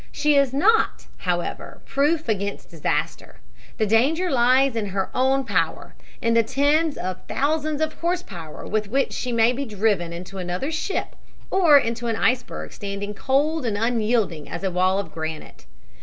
She is not, however, proof against disaster. The danger lies in her own power in the tens of thousands of horse power with which she may be driven into another ship or into an iceberg standing cold and unyielding as a wall of granite.